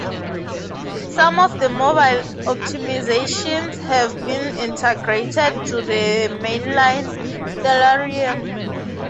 Some of the mobile optimisations have been integrated to the mainline Stellarium.